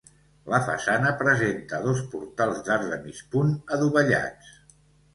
La façana presenta dos portals d'arc de mig punt adovellats.